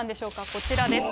こちらです。